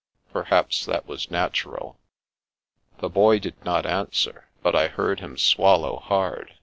" Perhaps that was natural." The Boy did not answer, but I heard him swallow hard.